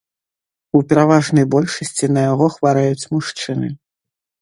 У пераважнай большасці на яго хварэюць мужчыны.